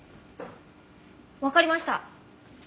わかりました。